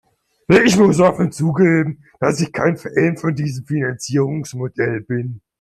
Ich muss offen zugeben, dass ich kein Fan von diesem Finanzierungsmodell bin.